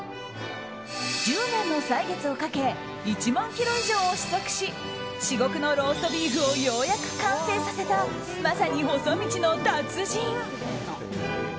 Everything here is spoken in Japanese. １０年の歳月をかけ１万ｋｇ以上を試食し至極のローストビーフをようやく完成させたまさに細道の達人。